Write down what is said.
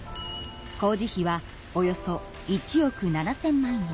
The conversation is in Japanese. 工事費はおよそ１億７，０００万円。